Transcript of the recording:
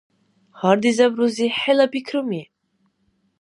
Гьардизаб рузи, хӀела пикруми!